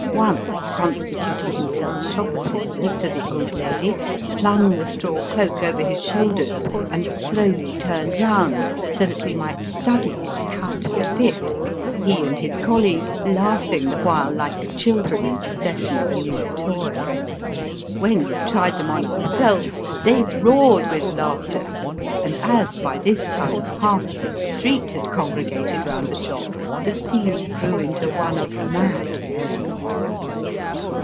One, constituting himself shop assistant to the old lady, flung the straw cloak over his shoulders, and slowly turned round, so that we might study its cut and fit, he and his colleague laughing the while like children in possession of a new toy. When we tried them on ourselves they roared with laughter, and as by this time half the street had congregated round the shop, the scene grew into one of mad memment.